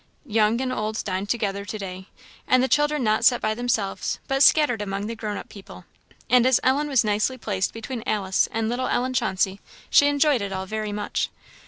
Young and old dined together to day, and the children not set by themselves, but scattered among the grown up people; and as Ellen was nicely placed between Alice and little Ellen Chauncey, she enjoyed it all very much.